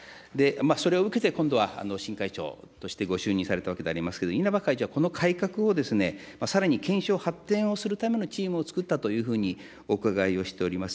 それを受けて、今度は新会長としてご就任されたわけでありますけれども、稲葉会長は、この改革をさらに検証、発展をするためのチームを作ったというふうにお伺いをしております。